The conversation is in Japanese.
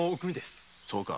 そうか。